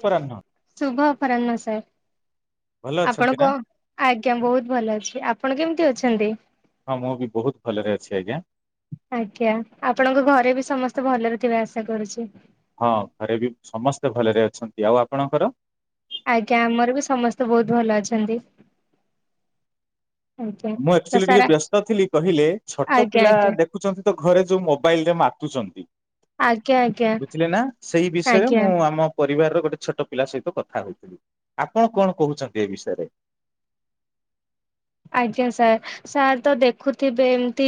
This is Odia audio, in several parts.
ଅପରାହ୍ନ ଶୁଭ ଅପରାହ୍ନ ସାର୍ ଭଲ ଆପଣ ଅଛନ୍ତି ନା? କ ଆଜ୍ଞା ବହୁତ ଭଲ ଅଛି ଆପଣ କେମିତି ଅଛି। ଛନ୍ତି। ହଁ ମୁଁ ବି ବହୁତ ଭଲରେ ଅଛି ଆଜ୍ଞା। [inaudible] ଆଜ୍ଞା ଆପଣଙ୍କ ଘରେ ବି ସମସ୍ତେ ଭଲରେ ରେ କେରେ ଆସା କରୁଛି। ହଁ ଘରେ ବି ସମସ୍ତେ ଭଲରେ ଅଛନ୍ତି ଆଉ ଆପଣଙ୍କର। ଆଜ୍ଞା ଆମର ବି ସମସ୍ତେ ବହୁତ ଭଲ ଅଛନ୍ତି। ଆଜ୍ଞା ମୁଁ ତ ଆକ୍ଚୁଆଲି ଟିକେ ସାରା ବ୍ୟସ୍ତ ଥିଲି କହିଲେ ଛୋଟ ଆଜ୍ଞା ପିଲା ଆଜ୍ଞା ଦେଖୁଛନ୍ତି। ତ ଘରେ ଯୋଉ ମୋବାଇଲ ଟ ମାତୁଛନ୍ତି। ଆଜ୍ଞା ଆଜ୍ଞା ବୁଝିଲେ ନା ସେଇ ବିଷୟରେ ଆଜ୍ଞା ମୁଁ ଆମ ପରିବାରର ଗୋଟେ ଛୋଟ ପିଲା ସହିତ କଥା ହଥିଲି ଆପଣ କଣ କହୁଛନ୍ତି ଏ ବିଷୟରେ। ଆଜ୍ଞା ସାର୍ ସାର୍ ତ ଦେଖୁଥିବେ ଏମିତି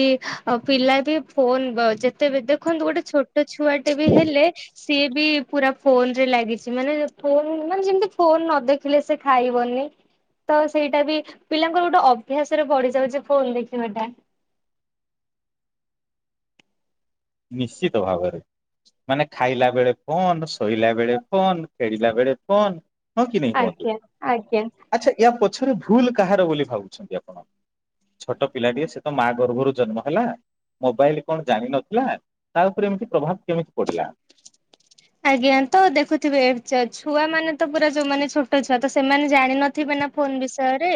ପିଲା ବି ଫୋନ ଯେତେବେ ଦେଖନ୍ତୁ ଗୋଟେ ଛୋଟ ଛୁଆଟେ ବି ହେଲେ ସିଏ ବି ପୁରା ଫୋନ ରେ ଲାଗିଛି ମାନେ ଫୋନ ମାନେ ଯେମିତି ଫୋନ ନ ଦେଖିଲେ ସେ ଖାଇବନି ତ ସେଇଟା ବି ପିଲା ଗୋଟେ ଅଭ୍ୟାସରେ ପଢିଯାଉଛି ଫୋନ ଦେଖିବାଟା। ନିଶ୍ଚିତ ଭାବରେ। ମାନେ ଖାଇଲା ବେଳେ ଫୋନ୍ ଶୋଇଲା ବେଳେ ଫୋନ୍ ଖେଳିଲା ବେଳେ ଫୋନ୍। ହଁ କି ନାହିଁ ହୁଅନ୍ତୁ ଆଜ୍ଞା ଆଜ୍ଞା। ଆଚ୍ଛା ଏହା ପଛ ପଛରେ ଭୁଲ କାହାର ବୋଲି ଭାବୁଛନ୍ତି ଆପଣ ଛୋଟ ପିଲାଟିଏ ସେ ତ ମା ଗର୍ଭରୁ ଜନ୍ମ ହେଲା ମୋବାଇଲ କଣ ଜାଣିନ ହେଲା ତା ଉପରେ ଏମିତି ପ୍ରଭାବ କେମିତି ପଡିଲା। ଆଜ୍ଞା ତ ଦେଖୁଥିବେ ଛୁଆ ମାନେ ତ ପୁରା ଯୋଉମାନେ ଛୋଟ ଛୁଆ ତ ସେମାନେ ଜାଣିନଥିବେ ନା ଫୋନ ବିଷୟରେ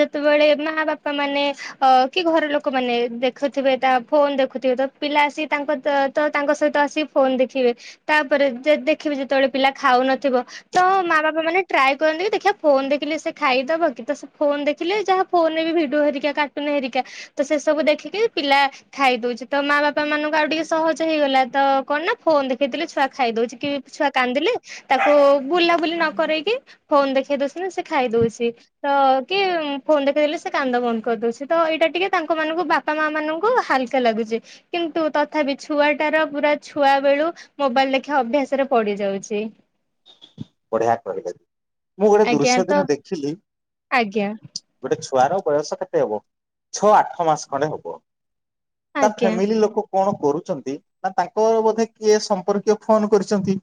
ଯେତେବେଳେ ମା ବାପା ମାନେ ଅ କି ଘର ଲୋକ ମାନେ ଦେଖୁଥିବେ ତା ଫୋନ ଦେଖୁଥିବେ ତ ପିଲା ଆସିକ ତାଙ୍କ ତ ତାଙ୍କ ସହିତ ଆସିକି ଫୋନ ଦେଖିବେ। ତାପରେ ଦେଖିବି ଯେତେବେଳେ ପିଲା ଖାଉନଥିବ ତ ମା ବାପା ମାନେ ଟ୍ରାଏ କରନ୍ତି କି ଦେଖିବା ଫୋନ ଦେଖିଲେ ସେ ଖାଇଦବ କି ତ ସେ ଫୋନ ଦେଖିଲେ ଯାହା ଫୋନରେ ବି ଭିଡିଓ ହେରିକା କାର୍ଟୁନ ହେରିକା ତ ସେ ସବୁ ଦେଖିକି ପିଲା ଖାଇଦଉଛି ତ ମା ବାପା ମାନଙ୍କୁ ଆଉ ଟିକେ ସହଜ ହେଇଗଲା ତ କଣ ନା ଫୋନ ଦେଖେଇଥିଲେ। ଛୁଆ ଖାଇ ଦଉଛି କି ଛୁଆ କାନ୍ଦିଲେ ତାକୁ ବୁଲାବୁଲି ନ କରଇକି ଫୋନ ଦେଖେଇ ଦଉଛିନା ସେ ଖାଇ ଦଉଛି ତ କି ଫୋନ ଦେଖେଇ ଦେେଲେ ସେ କାନ୍ଦ ବନ୍ଦ କରିଦଉଛି ତ ଏଇଟା ଟିକେ ତାଙ୍କ ମାନଙ୍କୁ ବାପା ମା ମାନଙ୍କୁ ହାଲକା ଲାଗୁଛି କିନ୍ତୁ ତଥାପି ଛୁଆଟାର ପୁରା ଛୁଆ ବେଳୁ ମୋବାଇଲ ଲେଖିବା ଅଭ୍ୟାସରେ ପଡି ଯାଉଛି। ବଢିଆ କ ମୁଁ ଗୋଟେ ଆଜ୍ଞା ଦୃଶ୍ୟ ତ ଦିନ ଦେଖିଲି ଆଜ୍ଞା ଗୋଟେ ଛୁଆର ବୟସ କେତେ ହବ ଛଅ ଆଠ ମାସ ଖଣ୍ଡେ ହବ। ତା ଆଜ୍ଞା ଫ୍ୟାମିଲି ଲୋକ କଣ କରୁଛି ନା ତାଙ୍କ ବୋଧେ କିଏ ସମ୍ପର୍କୀୟ ଫୋନ କରିଛନ୍ତି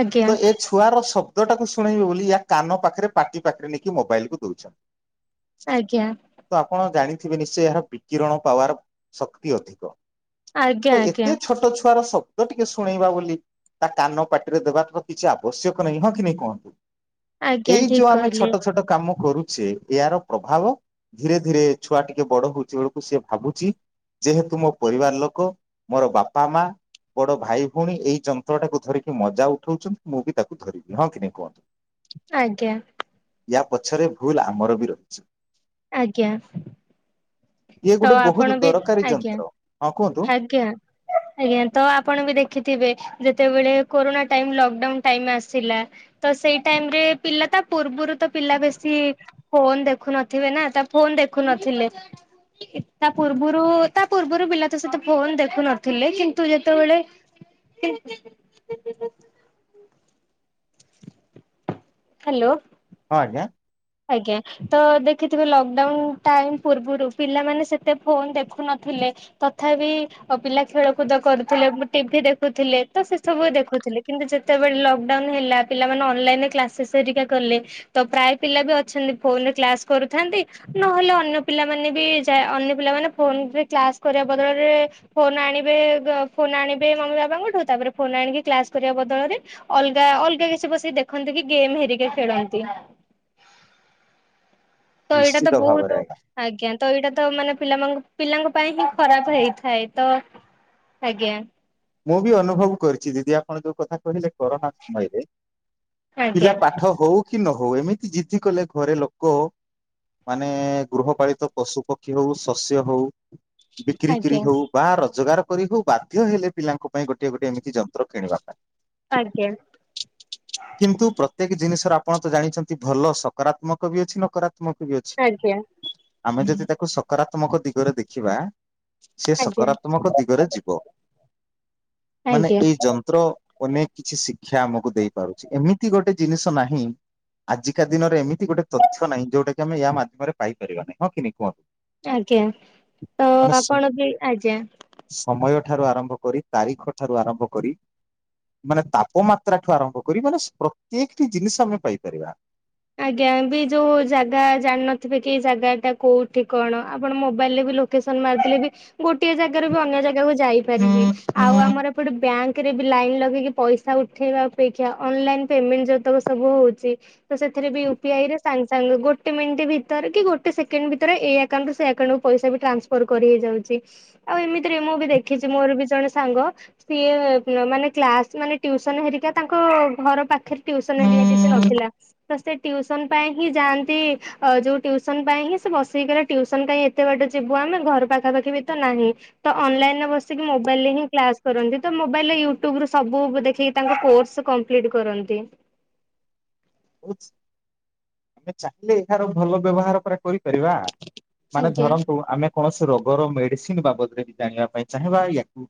ଆଜ୍ଞା ତ ଏ ଛୁଆର ଶବ୍ଦ ଟାକୁ ଶୁଣେଇବୁ ବୋଲି ୟା କାନ ପାଖରେ ପାଟି ପାଖରେ ନେଇକି ମୋବାଇଲ କୁ ଦଉଛନ୍ତି। ଆଜ୍ଞା ତ ଆପଣ ଜାଣି ଥିବେ ନିଶ୍ଚୟ ଏହା ବିକିରଣ ପାୱାର ଶକ୍ତି ଅଧିକ ଆଜ୍ଞା ତ ଆଜ୍ଞା ଏତେ ଛୋଟ ଛୁଆର ସ ତ ଟିକେ ଶୁଣେଇବା ବୋଲି ତା କାନ ପାଟିରେ ଦେବା କଥ କିଛି ଆବଶ୍ୟକ ନାହିଁ। ହଁ କି ନାଇ କୁହନ୍ତୁ? ଆଜ୍ଞା ଏଇ ଠିକ ଯୋଉ ଆମେ କହିଲେ ଛୋଟ ଛୋଟ କାମ କରୁଛେ ଏହାର ପ୍ରଭାବ ଧୀରେ ଧୀରେ ଛୁଆ ଟିକେ ବଡ ହୋଉଛି ବେଳକୁ ସେ ଭାବୁଛି । ଯେହେତୁ ମୋ ପରିବାର ଲୋକ ମୋର ବାପା ମା ବଡ ଭାଇ ଭଉଣୀ ଏଇ ଯନ୍ତ୍ର ଟାକୁ ଧରିକି ମଜା ଉଠଉଛନ୍ତ ମୁଁ ବି ତାକୁ ଧରିବି ହଁ କି ନାହି କୁହନ୍ତୁ? ଆଜ୍ଞା। ୟା ପଛରେ ଭୁଲ ଆମର ବି ରହିଛି ଆଜ୍ଞା। ଇଏ ତ ଗୋଟେ ଆପଣ ବହୁତ ବି ଦରକାରୀ ଆଜ୍ଞା ଯନ୍ତ୍ର ହଁ କୁହନ୍ତୁ ଆଜ୍ଞା ଆଜ୍ଞା ତ ଆପଣ ବି ଦେଖିଥିବେ ଯେତେବେଳେ କୋରୋନା ଟାଇମ୍ ଲକ୍ଡାଉନ ଟାଇମ୍ ଆସିଲା । ତ ସେଇ ଟାଇମ୍ ରେ ତ ପିଲା ତା ପୂର୍ବରୁ ପିଲା ବେସି ଫୋନ୍ ଦେଖୁ ନ ଥିବେ ନା । ତ ଫୋନ୍ ଦେଖୁ ନ ଥିଲେ। ତା ପୂର୍ବରୁ ତା ପୂର୍ବରୁ ପିଲା ତ ସେତ ଫୋନ ଦେଖୁ ନଥିଲେ କିନ୍ତୁ ଯେତେବେଳେ ହ୍ୟାଲୋ। ହଁ ଆଜ୍ଞା। ଆଜ୍ଞା ତ ଦେଖିଥିବେ ଲକଡାଉନ ଟାଇମ ପୂର୍ବରୁ ପିଲାମାନେ ସେତେ ଫୋନ ଦେଖୁନଥିଲେ ତଥାପି ପିଲା ଖେଳକୁଦ କରୁଥିଲେ ଟିଭି ଦେଖୁଥିଲେ ତ ସେ ସବୁ ଦେଖୁଥିଲେ କିନ୍ତୁ ଯେତେବେଳେ ଲକଡାଉନ ହେଲା ପିଲାମାନେ ଅନଲାଇନରେ କ୍ଲାସେସ୍ ହରିକା କଲେ ତ ପ୍ରାୟେ ପିଲା ବି ଅଛନ୍ତି ଫୋନରେ କ୍ଲାସ କରୁଥାନ୍ତି । ନହେଲେ ଅନ୍ୟ ପିଲାମାନେ ବି ଯା ଅନ୍ୟ ପିଲାମାନେ ଫୋନରେ କ୍ଲାସ୍ କରିବା ବଦଳରେ ଫୋନ ଆଣିବେ ବ ଫୋନ ଆଣିବେ ମମି ବାବାଙ୍କଠୁ ତାପରେ ଫୋନ ଆଣିକି କ୍ଲାସ୍ କରିବାବଦଳରେ ଅଲଗା ଅଲଗା କିଛି ବସିକି ଦେଖନ୍ତି କି ଗେମ୍ ହେରିକା ଖେଳନ୍ତି ତ ଏଇଟା ତ ନିଶ୍ଚିତ ଭାବରେ ବହୁତ ଆଜ୍ଞା। ଆଜ୍ଞା ତ ଏଇଟା ତ ମାନେ ପିଲାମାନଙ୍କୁ ପିଲାଙ୍କ ପାଇଁ ହିଁ ଖରାପ ହେଇଥାଏ। ତ ଆଜ୍ଞା ମୁଁ ବି ଅନୁଭବ କରିୁଛି ଦିଦି ଆପଣ ଯୋଉ କଥା କହିଲେ କରୋନା ସମୟରେ ଆଜ୍ଞା ପିଲା ପାଠ ହଉ କି ନ ହଉ ଏମିତି ଜିଦ୍ଦି କଲେ ଘରେ ଲୋକ ମାନେ ଗୃହପାଳିତ ପଶୁ ପକ୍ଷୀ ହଉ ଶସ୍ୟ ହଉ ବିକ୍ରିକିରି ଆଜ୍ଞା ହଉ ବା ର ରୋଜଗାର କରି ହଉ ବାଧ୍ୟ ହେଲେ ପିଲାଙ୍କ ପାଇଁ ଗୋଟେ ଗୋଟେ ଏମିତି ଯନ୍ତ୍ର କିଣିବା ପାଇଁ ଆଜ୍ଞା। କିନ୍ତୁ ପ୍ରତ୍ୟେକ ଜିନିଷ ର ଆପଣ ତ ଜାଣିଛନ୍ତି ଭଲ ସକାରାତ୍ମକ ବି ଅଛି ନକରା କ ବି ଅଛି ଆଜ୍ଞା ଆମେ ଯଦି ତାକୁ ସକାରାତ୍ମ ତ୍ମକ ଦିଗରେ ଦେଖିବା ସେ ଆଜ୍ଞା ସକାରାତ୍ମକ ଦିଗରେ ଯିବ ମାନେ ଆଜ୍ଞା ଏଇ ଯନ୍ତ୍ର ଅନେକ କିଛି ସି ସେ ଆମକୁ ଧରୁଚି ଏମିତି ଗୋଟେ ଜିନିଷ ନାହିଁ ଆଜିକା ଦିନରେ ଏମିତି ଗୋଟେ ତଥ୍ୟ ନାହିଁ ଯୋଉଟା କି ଆମେ ୟା ମାଧ୍ୟମରେ ପାଇପାରିବା ନାହିଁ । ହଁ କି ନାଇଁ କୁହନ୍ତୁ? ଆଜ୍ଞା। ତ ମାନେ ସ- ଆପଣ ବି ଆଜ୍ଞା। ସମୟ ଠାରୁ ଆରମ୍ଭ କରି ତାରିଖ ଠାରୁ ଆରମ୍ଭ କରି ମାନେ ତାପମାତ୍ରା ଠୁ ଆରମ୍ଭ କରିବାର ପ୍ରତ୍ୟେକଟି ଜିନିଷ ଆମେ ପାଇପାରିବା । ଆଜ୍ଞା। ବି ଯୋଉ ଜାଗା ଜାଣିିନଥିବେ। କି ଏଇ ଜାଗା ଟା କୋଉଠି କଣ ଆପଣ ମୋବାଇଲ ରେ ବି ଲୋକେସନ ମାରିଦେଲେ ବି ଗୋଟଏ ଜାଗାରୁ ବି ଅନ୍ୟ ଜାଗାକୁ ଯାଇପାରିବେ। ଆଉ ଆମର ଏପଟେ ବ୍ୟାଙ୍କରେ ବି ଲାଇନ ଲଗେଇକି ପଇସା ଉଠେଇବା ଅପେକ୍ଷା ଅନଲାଇନ୍ ପେମେଣ୍ଟ ଯେତେକ ସବୁ ହଉଛି। ସେଥିରେ ବି ୟୁପିଆଇରେ ସାଙ୍ଗେ ସାଙ୍ଗ ଗୋଟେ ମିନିଟ୍ ଭିତରେ କି ଗୋଟେ ସେକେଣ୍ଡ ଭିତରେ ଏ ଆକାଉଣ୍ଟ ରୁ ସେ ଆକାଉଣ୍ଟ କୁ ପଇସା ବି ଟ୍ରାନ୍ସଫର କରି ହେଇ ଯାଉଛି । ଆଉ ଏମିତିରେ ମୁଁ ବି ଦେଖିଛି ମୋର ବି ଜଣେ ସାଙ୍ଗ ସିଏ ମାନେ କ୍ଲାସ୍ ମାନେ ଟ୍ୟୁସନ୍ ହେରିକା ମାନେ ତାଙ୍କ ଘର ପାଖରେ ଟିଉସନ [unintelligible] ଯାଉଥିଲା । ତ ସେ ଟ୍ୟୁସନ ପାଇଁ ହିଁ ଯାଆନ୍ତି ଆ ଯୋଉ ଟ୍ୟୁସନ ପାଇଁ ହିଁ ସେ ବସିକିରି ଟ୍ୟୁସନ କାଇଁ ଏତେ ବାଟ ଯିବୁ ଆମେ ଘର ପାଖାପାଖି ବି ତ ନାହିଁ ତ ଅନଲାଇନରେ ବସିକି ମୋବାଇଲରେ ହିଁ କ୍ଲାସ କରନ୍ତି ତ ମୋବାଇଲ ୟୁଟ୍ୟୁବ ସବୁ ଦେଖି ତାଙ୍କ କୋର୍ସ କମ୍ପ୍ଲିଟ କରନ୍ତି। ଆମେ ଚାହିଁଲେ ଏହାର ଭଲ ବ୍ୟବହାର ପୂରା ଫେରିବା ମାନେ ଆଜ୍ଞା। ଧରନ୍ତୁ ଆମେ କୌଣସି ରୋଗ ର ମେଡିସିନ ବାବଦରେ ବି ଜାଣିବା ପାଇଁ ଚାହିଁବା ୟାକୁ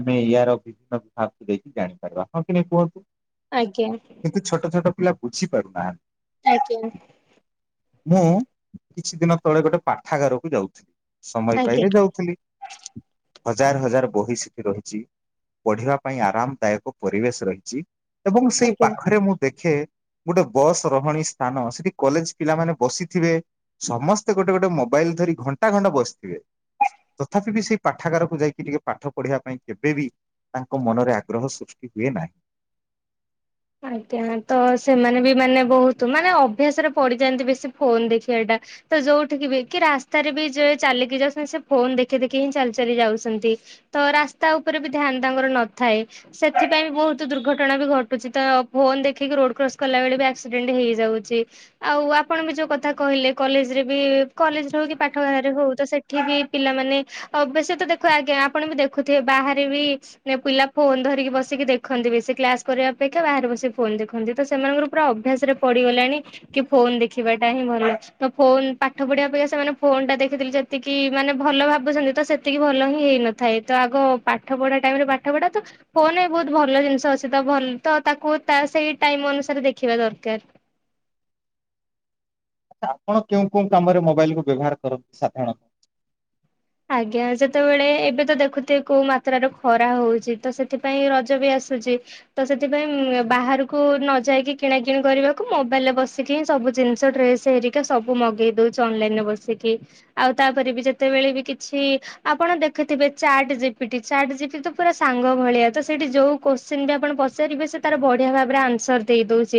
ଆମେ ୟାର ବିଭିନ୍ନ ବିଭାବକୁ ଦେଇକି ଜାଣିପାରିବା ହଁ କି ନହି କୁହନ୍ତୁ? ଆଜ୍ଞା। ବୁଝିପାରୁନାହାନ୍ତି। ଆଜ୍ଞା। ମୁଁ କିଛି ଦିନ ତଳେ ଗୋଟେ ପାଠାଗାରକୁ ଯାଉଥିଲି ସମୟ ଆଜ୍ଞା। ପାଇଲେ ଯାଉଥିଲି ହଜାର ହଜାର ବହି ସେଠି ରହିଛି। ପଢିବା ପାଇଁ ଆରାମ ଦାୟକ ପରିବେଶ ରହିଛି। ଏବଂ ସେଇ ଆଜ୍ଞା। ପାଖରେ ମୁଁ ଦେଖେ ଗୋଟେ ବସ୍ ରହଣୀ ସ୍ଥାନ ସେଠି କଲେଜ ପିଲାମାନେ ବସିଥିବେ ସମସ୍ତେ ଗୋଟେ ଗୋଟେ ମୋବାଇଲ ଧରି ଘଣ୍ଟା ଘଣ୍ଟା ବସିଥିବେ ତଥାପି ବି ସେଇ ପାଠାଗାରକୁ ଯାଇକି ଟିକେ ପାଠ ପଢିବା ପାଇଁ କେବେ ବିି ତାଙ୍କ ମନରେ ଆଗ୍ରହ ସୃଷ୍ଟି ହୁଏ ନାହିଁ। ଆଜ୍ଞା। ତ ସେମାନେ ବି ମାନେ ବହୁତ ମାନେ ଅଭ୍ୟାସରେ ପଡିଯାନ୍ତି ବେଶୀ ଫୋନ ଦେଖିବାଟା ତ ଯୋଉଠିକ ବି କି ରାସ୍ତାରେ ବି ଯାଏ ଚାଲିକି ଯାଉଛନ୍ତି ସେ ଫୋନ ଦେଖି ଦେଖି ହିଁ ଚାଲି ଚାଲି ଯାଉଛନ୍ତି ତ ରାସ୍ତା ଉପରେ ବି ଧ୍ୟାନ ତାଙ୍କର ନଥାଏ ସେଥିପାଇଁ ବି ବହୁତ ଦୁର୍ଘଟଣା ବି କିଛି ତ ଫୋନ ଦେଖିକି ରୋଡ କ୍ରସ କଲା ବେଳେ ବି ଆକ୍ସିଡେଣ୍ଟ ହେଇଯାଉଛି ଆଉ ଆପଣ ବି ଯୋଉ କଥା କହିଲେ କଲେଜରେ ବି କଲେଜରେ ହଉ କି ପାଠରେ ହଉ ତ ସେଠି ବି ପିଲାମାନେ ବେଶୀ ତ ଦେଖୁ ଆଜ୍ଞା ଆପଣ ବି ଦେଖୁଥିବେ ବାହାରେ ବି ପିଲା ଫୋନ ଧରିକି ବସିକି ଦେଖନ୍ତି ବେଶୀ କ୍ଲାସ କରିବା ଅପେକ୍ଷା ବାହାରେ ବସିିକି ଫୋନ ଦେଖନ୍ତି ତ ସେମାନଙ୍କର ପୁରା ଅଭ୍ୟାସ ରେ ପଡିଗଲାଣି କି ଫୋନ ଦେଖିବାଟା ହିଁ ଭଲ ତ ଫୋନ ପାଠ ପଢିବା ଅପେକ୍ଷା ସେମାନେ ଫୋନ ଟା ଦେଖିଥିଲେ ଯେତିକି ମାନେ ଭଲ ଭାବୁଛନ୍ତି ତ ସେତିକି ଭଲ ହିଁ ହେଇନଥାଏ ତ ଆଗ ପାଠ ପଢା ଟାଇମରେ ପାଠ ପଢା ତ ଫୋନରେ ତ ବହୁତ ଭଲ ଜିନିଷ ଅଛି ତ ଭଲ ତ ତାକୁ ତା ସେଇ ଟାଇମ ଅନୁସାରେ ଦେଖିବା ଦରକାର। ତ ଆପଣ କେଉଁ କେଉଁ କାମରେ ମୋବାଇଲ କୁ ବ୍ୟବହାର କରନ୍ତି ସାଧାରଣତଃ? ଆଜ୍ଞା ଯେତେବେଳେ ଏବେ ତ ଦେଖୁଥିବେ କୋଉ ମାତ୍ରାରେ ଖରା ହଉଛି ତ ସେଥିପାଇଁ ରଜ ବି ଆସୁଚି ତ ସେଥିପାଇଁ ବାହାରକୁ ନ ଯାଇକି କିଣା କିିଣି କରିବାକୁ ମୋବାଇଲ ରେ ବସିକି ହିଁ ସବୁ ଜିନିଷ ଡ୍ରେସ ହେରିକି ସବୁ ମଗେଇ ଦଉଛି ଅନଲାଇନ ରେ ବସିକି ଆଉ ତାପରେ ବି ଯେତେବେଳେ ଛି ଆପଣ ଦେଖିଥିବେ ଚାଟ ଜିପିଟି ଚାଟ ଜିପିଟି ତ ପୁରା ସାଙ୍ଗ ଭଳିଆ ତ ସେଇଠି ଯୋଉ କୋଶ୍ଚିନ ବି ଆପଣ ପଚାରିବେ ସେ ତାର ବଢିଆ ଭାବରେ ଆନ୍ସର ଦେଇ ଦଉଛି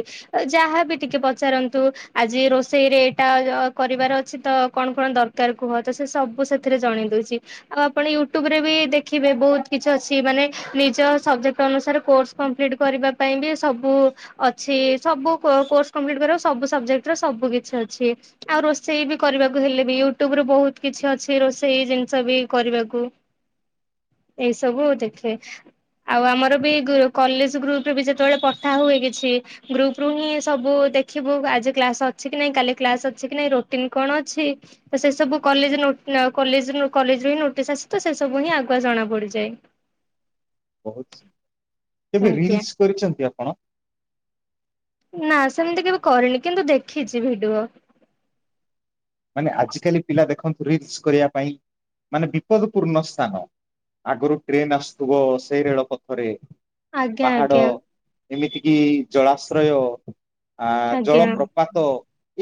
ଯାହାବି ଟିକେ ପଚାରନ୍ତୁ ଆଜି ରୋଷେଇରେ ଏଇଟା କରିବାର ଅଛି ତ କଣ କଣ ଦରକାର କୁହ ତ ସେ ସବୁ ରେ ଜଣେଇ ଦଉଛି ଆଉ ଆପଣ ୟୁଟୁବ ରେ ବି ଦେଖିବେ ବହୁତ କିଛି ଅଛି ମାନେ ନିଜ ସବଜେକ୍ଟ ଅନୁସାରେ କୋର୍ସ କମ୍ପ୍ଲିଟ କରିବା ପାଇଁ ବି ସବୁ ଅଛି ସବୁ କୋର୍ସ କମ୍ପ୍ଲିଟ କରିବା ସବୁ ସବଜେକ୍ଟର ସବୁ କିଛି ଅଛି ଆଉ ରୋଷେଇ ବି କରିବାକୁ ହେଲେ ବି ୟୁଟ୍ୟୁବରେ ବହୁତ କିଛି ଅଛି। ରୋଷେଇ ଜିନିଷ ବି କରିବାକୁ ଏଇ ସବୁ ଦେଖେ ଆଉ ଆମର ବି ଗ୍ରୁ କଲେଜ ଗ୍ରୁପରେ ଯେତେବେଳେ ପଠା ହୁଏ କିଛି ଗ୍ରୁପୁ ହିଁ ସବୁ ଦେଖିବୁ ଆଜି କ୍ଲାସ ଅଛି କି ନାହିଁ କାଲି କ୍ଲାସ ଅଛି କି ନାଇଁ ରୁଟିନ କଣ ଅଛି ତ ସେ ସବୁ କଲେଜ ରୁ ନା କଲେଜ ରୁ କଲେଜ ରୁ ହିଁ ନୋଟିସ୍ ଆସ ତ ସେ ସବୁ ହିଁ ଆଗୁଆ ଜଣା ପଡିଯାଏ। ବହୁତ କେବେ ଆଜ୍ଞା ରିଲସ କରିଛନ୍ତି ଆପଣ? ନା ସେମିତି କେବେ କରିନି କିନ୍ତୁ ଦେଖିଚି ଭିଡିଓ। ମାନେ ଆଜିକାଲି ପିଲା ଦେଖନ୍ତୁ ରିଲସ କରିବା ପାଇଁ ମାନେ ବିପଦ ପୂର୍ଣ ସ୍ଥାନ ଆଗରୁ ଟ୍ରେନ ଆସୁଥିବ ସେଇ ରେଳ ପଥରେ ଆଜ୍ଞା। ପାହାଡ ଆଜ୍ଞା। ଏମିତି କିି ଜଳାଶ୍ରୟ ଆ ଆଜ୍ଞା ଜଳପ୍ରପାତ,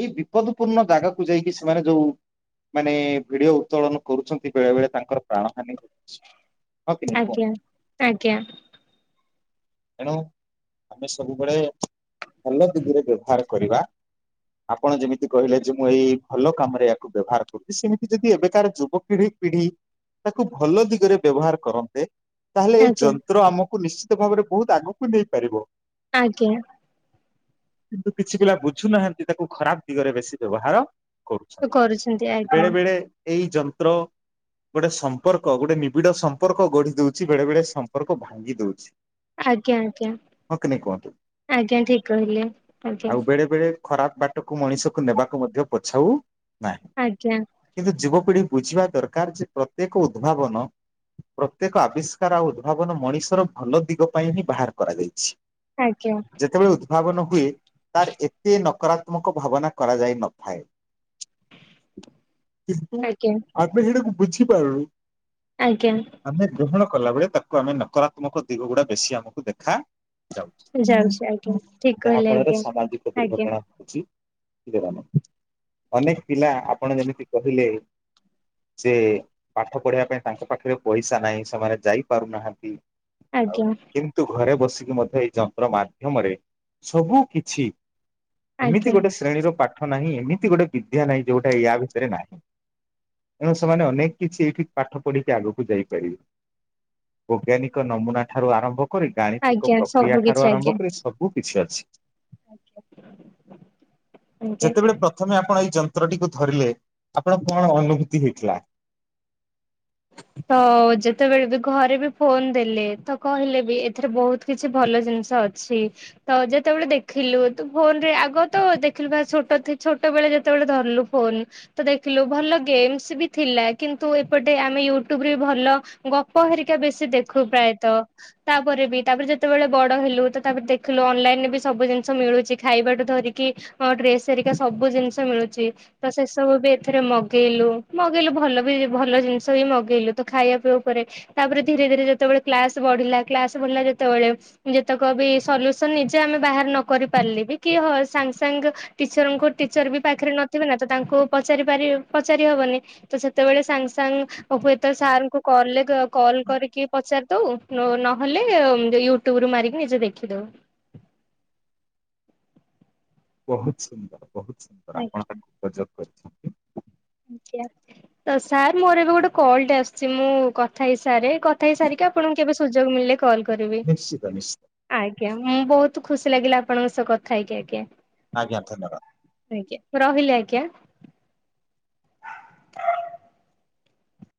ଏଇ ବିପଦ ପୂର୍ଣ୍ଣ ଜାଗାକୁ ଯାଇକି ସେମାନେ ଯୋଉ ମାନେ ଭିଡିଓ ଉତ୍ତୋଳନ କରୁଛନ୍ତି ବେଳେ ବେଳେ ତାଙ୍କର ପ୍ରାଣ ହାନି ହଉଛି। ଆଜ୍ଞା। ଆଜ୍ଞା। ଏଣୁ ଆମେ ସବୁବେଳେ ଭଲ ଦିଗରେ ବ୍ୟବହାର କରିବା ଆପଣ ଯେମିତି କହିଲେ ଯେ ମୁଁ ଏଇ ଭଲ କାମରେ ୟାକୁ ବ୍ୟବହାର କରୁଚି ସେମିତି ଯଦି ଏବେକାର ଯୁବପିଢି ପିଢି ତାକୁ ଭଲ ଦିଗରେ ବ୍ୟବହାର କରନ୍ତେ ତାହେଲେ ଏଇ ଆଜ୍ଞା ଯନ୍ତ୍ର ଆମକୁ ନିଶ୍ଚିତ ଭାବରେ ବହୁତ ଆଗକୁ ନେଇ ପାରିବ। ଆଜ୍ଞା। କିନ୍ତୁ କିଛି ପିଲା ବୁଝୁ ନାହାନ୍ତି ତାକୁ ଖରାପ ଦିଗରେ ବେଶୀ ବ୍ୟବହାର କରୁଛନ୍ତି। କରୁଛନ୍ତି ଆଜ୍ଞା। ବେଳେ ବେଳେ ଏଇ ଯନ୍ତ୍ର ଗୋଟେ ସମ୍ପର୍କ ଗୋଟେ ନିବିଡ ସମ୍ପର୍କ ଗଢି ଦଉଛି, ବେଳେ ବେଳେ ସମ୍ପର୍କ ଭାଙ୍ଗି ଦଉଛି। ଆଜ୍ଞା ଆଜ୍ଞା ହଁ କି ନାଇଁ କୁହନ୍ତୁ ଆଜ୍ଞା ଠିକ କହିଲେ ଆଜ୍ଞା। ଆଉ ବେଳେ ବେଳେ ଖରାପ ବାଟକୁ ମଣିଷକୁ ନେବାକୁ ମଧ୍ୟ ପଛାଉ ନାହିଁ ଆଜ୍ଞା କିନ୍ତୁ ଯୁବକ ପିଢି ବୁଝିବା ଦରକାର ଯେ ପ୍ରତ୍ୟେକ ଉଦ୍ଭାବନ ପ୍ରତ୍ୟେକ ଆବିଷ୍କାର ଆଉ ଉଦ୍ଭାବନ ମଣିଷର ଭଲ ଦିଗ ପାଇଁ ହିଁ ବାହାର କରାଯାଇଛି। ଆଜ୍ଞା। ଯେତେବେଳେ ଉଦ୍ଭାବନ ହୁଏ ତାର ଏତେ ନକାରାତ୍ମକ ଭାବନା କରାଯାଇନ ଥାଏ କିନ୍ତୁ ଆଜ୍ଞା ଆମେ ହେଡ଼ାକୁ ବୁଝିପାରୁନୁ। ଆଜ୍ଞା। ଆମେ ଗ୍ରହଣ କଲା ବେଳେ ତାକୁ ଆମେ ନକରାତ୍ମକ ଦିଗଗୁଡ଼ା ବେଶୀ ଆମକୁ ଦେଖା ଯାଉଛି ଆଜ୍ଞା ଠିକ କହିଲେ ଫଳରେ ଆଜ୍ଞା ସାମାଜିକ ଆଜ୍ଞା। ଦୁର୍ଘଟଣା [unintelligible] ଅନେକ ପିଲା ଆପଣ ଯେମିତି କହିଲେ, ଯେ ପାଠ ପଢିବା ପାଇଁ ତାଙ୍କ ପାଖରେ ପଇସା ନାହିଁ ସେମାନେ ଯାଇ ପାରୁନାହାନ୍ତି ଆଉ ଆଜ୍ଞା କିନ୍ତୁ ଘରେ ବସି ଯେ ମଧ୍ୟ ଏଇ ଯନ୍ତ୍ର ମାଧ୍ୟମରେ ସବୁ କିଛି ଏମିତି ଆଜ୍ଞା ଆଜ୍ଞା ଗୋଟେ ଶ୍ରେଣୀର ପା ପାଠ ନାହିଁ ଏମିତି ଗୋଟେ ବିଦ୍ୟା ନାହିଁ ଯୋଉଟା ୟା ଭିତରେ ନାହିଁ। ଏଣୁ ସେମାନେ ଅନେକ କିଛି ଏଇଠି ପାଠ ପଢିକି ଆଗକୁ ଯାଇପାରିବେ। ବୈଜ୍ଞାନିକ ନମୁନା ଠାରୁ ଆରମ୍ଭ କରି ଗାଣିତକ ଆଜ୍ଞା ପ୍ରକ୍ରିୟା ସବୁ ଠାରୁ କିଛି ଆଜ୍ଞା ଆରମ୍ଭ କରି ସବୁ କିଛି ଅଛି। ଆଜ୍ଞା। ଯେତେବେଳେ ପ୍ରଥମେ ଆପଣ ଏଇ ଯନ୍ ନ୍ତ୍ର ଟିକୁ ଧରିଲେ ଆପଣ କଣ ଅନୁଭୂତି ହେଇଥିଲା? ତ ଯେତେବେଳେ ବି ଘରେ ବି ଫୋନ ଦେଲେ ତ କହିଲେ ବି ଏଥିରେ ବହୁତ କିଛି ଭଲ ଜିନିଷ ଅଛି ତ ଯେତେବେଳେ ଦେଖିଲୁ ତ ଫୋନରେ ଆଗ ତ ଦେଖିଲୁ ଛୋଟ ବେଳେ ଯେତେବେଳେ ଧରିଲୁ ଫୋନ ତ ଦେଖିଲୁ ଭଲ ଗେମ୍ସ ବି ଥିଲା କିନ୍ତୁ ଏପଟେ ଆମେ ୟୁଟ୍ୟୁବ ବି ଭଲ ଗପ ହେରିକା ବେଶୀ ଦେଖୁ ପ୍ରାୟତ। ତାପରେ ବି ତାପରେ ଯେତେବେଳେ ବଡ ହେଲୁ ତାପରେ ଦେଖିଲୁ ଅନଲାଇନ ରେ ବି ସବୁ ଜିନିଷ ମିଳୁଛି ଖାଇବାଠୁ ଧରିକି ଡ୍ରେସ୍ ହେରିକା ସବୁ ଜିନିଷ ମିଳୁଛି ତ ସେ ସବୁ ବି ଏଥିରେ ମଗେଇଲୁ, ମଗେଇଲୁ ଭଲ ବି ଭଲ ଜିନିଷ ଜିନିଷ ବିଁମଗେଇଲୁ ତ ଖାଇବା ପିଇବା ଉପରେ ତାପରେ ଧୀରେ ଧୀରେ ଯେତେବେଳେ କ୍ଲାସ୍ ବଢିଲା କ୍ଲାସ୍ ବଢିଲା ଯେତେବେଳେ ଯେତକ ବି ସଲ୍ୟୁସନ୍ ନିଜେ ଆମେ ବାହାର ନ କରି ପାରିଲେ କି ହ ସାଙ୍ଗ ସାଙ୍ଗ ଟିଚର ଙ୍କୁ ଟିଚର ବି ପାଖରେ ନଥିବେ ନା ତ ତାଙ୍କୁ ପଚାରି ପାରି ପଚାରି ହବନି ସେତେବେଳେ ସାଙ୍ଗ ସାଙ୍ଗ ହୁଏତ ସାର୍ ଙ୍କୁ କଲ୍ ରେ କଲ୍ କରିକି ପଚାରି ଦଉ। ନହେଲେ ୟୁଟ୍ୟୁବ ରୁ ମାରିକି ନିଜେ ଦେଖିଦଉ। ବହୁତ୍ ସୁନ୍ଦର୍ ବହୁତ୍ ସୁନ୍ଦର୍ ଆଜ୍ଞା ଆପଣ ତାକୁ ଉପଯୋଗ କରିବେ। ଆଜ୍ଞା! ତ ସାର୍ ମୋର ଏବେ ଗୋଟେ କଲ୍ ଟେ ଆସୁଛି ମୁଁ କଥା ହେଇସାରେ କଥା ହେଇସାରିକି ଆପଣଙ୍କୁ କେବେ ସୁଯୋଗ ମିଳିଲେ କଲ ନିଶ୍ଚିତ ନିଶ୍ଚିତ। ଆଜ୍ଞା ହୁଁ ବହୁତ ଖୁସି ଲାଗିଲା ଆପଣଙ୍କ ସହ କଥା ହେଇକି ଆଜ୍ଞା। ଆଜ୍ଞା ଧନ୍ୟବାଦ। ଆଜ୍ଞା ମୁଁ ରହିଲି ଆଜ୍ଞା